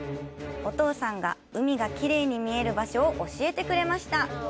お父さんが海がきれいに見える場所を教えてくれました。